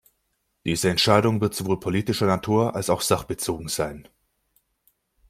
Diese Entscheidung wird sowohl politischer Natur als auch sachbezogen sein.